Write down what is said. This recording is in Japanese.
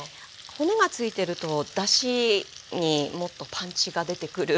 骨がついてるとだしにもっとパンチが出てくるような気がして。